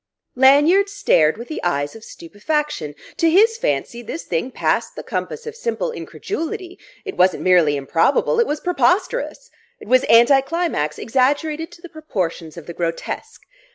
Lanyard stared with the eyes of stupefaction. To his fancy, this thing passed the compass of simple incredulity: it wasn't merely improbable, it was preposterous; it was anticlimax exaggerated to the proportions of the grotesque.